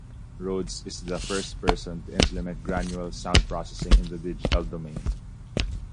Roads is the first person to implement granular sound processing in the digital domain.